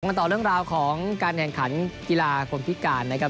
กันต่อเรื่องราวของการแข่งขันกีฬาคนพิการนะครับ